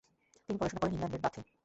তিনি পড়াশোনা করেন ইংল্যান্ডের বাথে।